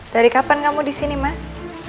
dari kapan kamu di sini mas